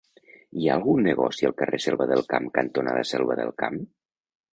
Hi ha algun negoci al carrer Selva del Camp cantonada Selva del Camp?